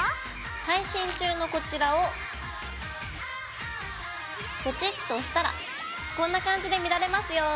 配信中のこちらをポチッと押したらこんな感じで見られますよ。